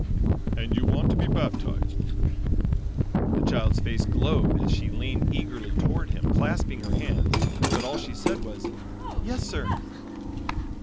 "And you want to be baptized." The child's face glowed as she leaned eagerly toward him, clasping her hands, but all she said was, "Yes, sir."